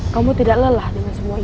kamu tidak lelah dengan semua ini